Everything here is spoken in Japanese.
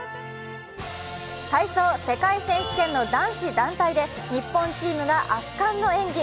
体操世界選手権の男子団体で日本チームが圧巻の演技。